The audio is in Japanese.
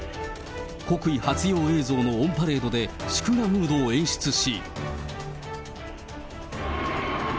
国威発揚映像のオンパレードで祝賀ムードを演出し。